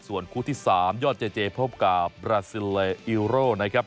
ส่วนคู่ที่๓ยอดเจเจพบกับบราซิลเลอีโร่นะครับ